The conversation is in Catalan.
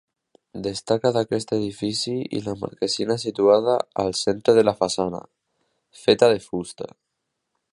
Destaca d'aquest edifici la marquesina situada al centre de la façana, feta de fusta.